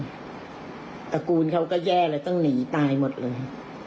ตระกูลเขาก็แย่เลยต้องหนีตายหมดเลย